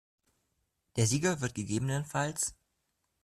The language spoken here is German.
Der Sieger wird ggf.